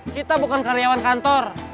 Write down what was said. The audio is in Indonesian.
kita bukan karyawan kantor